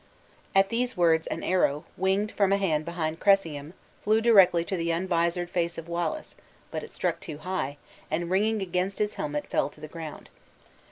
At these words, an arrow, winged from a hand behind Cressingham, flew directly to the unvisored face of Wallace, but it struck too high, and ringing against his helmet fell to the ground.